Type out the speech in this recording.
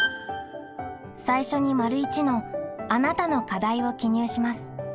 最初に①の「あなたの課題」を記入します。